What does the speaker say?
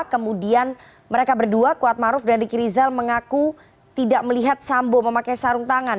kemudian mereka berdua kuatmaruf dan riki rizal mengaku tidak melihat sambo memakai sarung tangan